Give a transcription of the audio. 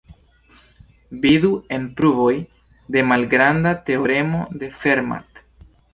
Vidu en pruvoj de malgranda teoremo de Fermat.